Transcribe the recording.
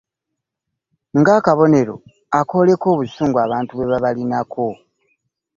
Ng'akabonero akooleka obusungu abantu bwe babalinako.